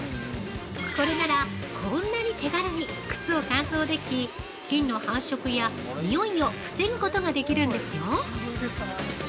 これなら、こんなに手軽に靴を乾燥でき、菌の繁殖や、においを防ぐことができるんですよ。